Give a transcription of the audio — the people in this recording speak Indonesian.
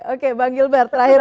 oke bang gilbert terakhir